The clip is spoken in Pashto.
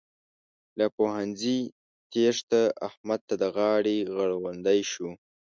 له پوهنځي تېښته؛ احمد ته د غاړې غړوندی شو.